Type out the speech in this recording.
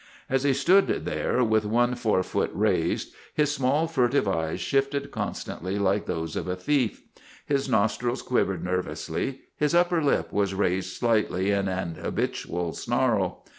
As he stood there, with one forefoot raised, his small furtive eyes shifted constantly like those of a thief. His nostrils quivered nervously; his upper lip was raised slightly in an habitual snarl.